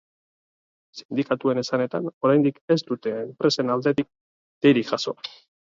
Sindikatuen esanetan, oraindik ez dute enpresen aldetik deirik jaso.